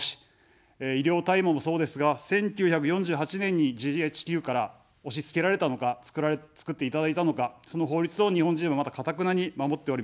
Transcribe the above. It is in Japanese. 医療大麻もそうですが、１９４８年にＧＨＱから押しつけられたのか、作っていただいたのか、その法律を日本人は、まだかたくなに守っております。